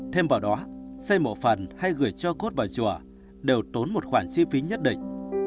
thêm vào đó xây một phần hay gửi cho cốt vào chùa đều tốn một khoản chi phí nhất định